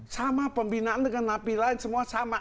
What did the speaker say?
sama pembinaan dengan napi lain semua sama